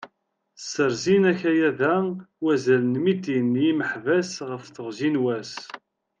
Sserzin akayad-a wazal n mitin n yimeḥbas ɣef teɣzi n wass.